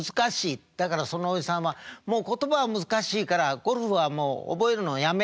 だからそのおじさんは「もう言葉は難しいからゴルフはもう覚えるのはやめ。